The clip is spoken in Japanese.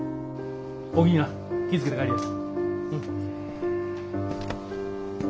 おおきにな気ぃ付けて帰りや。